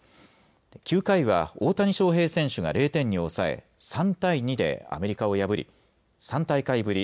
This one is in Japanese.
９回は大谷翔平選手が０点に抑え３対２でアメリカを破り３大会ぶり